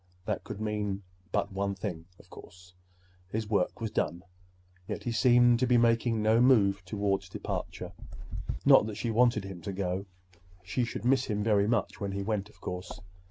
That could mean but one thing, of course; his work was done. Yet he seemed to be making no move toward departure. Not that she wanted him to go. She should miss him very much when he went, of course.